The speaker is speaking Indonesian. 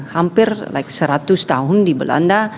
hampir seratus tahun di belanda